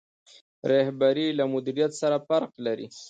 رهبري له مدیریت سره څه فرق لري؟